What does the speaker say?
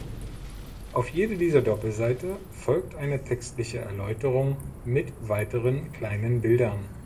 Auf jede dieser Doppelseite folgt eine textliche Erläuterung mit weiteren kleinen Bildern.